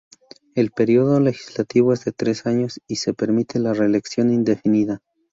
El período legislativo es de tres años y se permite la reelección indefinida.